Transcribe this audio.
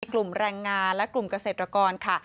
กลุ่มแรงงานและกลุ่มเกษตรกรค่ะ